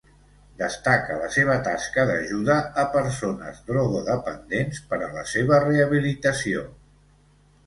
Destaca la seva tasca d'ajuda a persones drogodependents per a la seva rehabilitació.